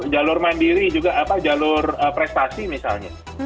jalur mandiri juga apa jalur prestasi misalnya